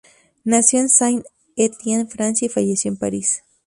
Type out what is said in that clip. Nació en Saint-Étienne, Francia y falleció en París.